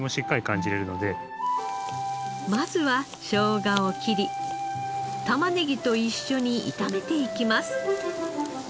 まずはショウガを切り玉ねぎと一緒に炒めていきます。